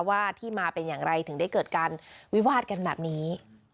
ว่าที่มาเป็นอย่างไรถึงได้เกิดการวิวาดกันแบบนี้